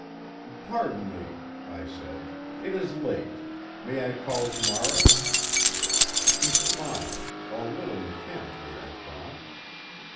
"Pardon me," I said, "it is late. May I call to morrow?" He smiled—a little mechanically, I thought.